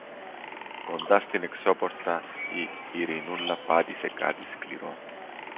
Κοντά στην εξώπορτα η Ειρηνούλα πάτησε κάτι σκληρό.